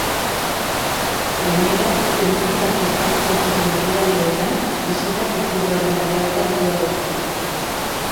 Gainera, publizitatea jartzen zuten orrialdeetan, bisita kopuruaren arabera dirua lortuta.